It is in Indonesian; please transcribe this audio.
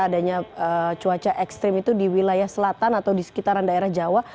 adanya cuaca ekstrim itu di wilayah selatan atau di sekitaran daerah jawa